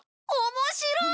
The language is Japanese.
面白い！